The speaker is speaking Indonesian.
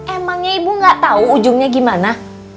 emangnya ibu gak tahu ujungnya gimana